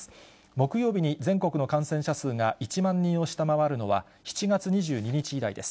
木曜日に全国の感染者数が１万人を下回るのは、７月２２日以来です。